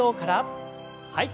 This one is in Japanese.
はい。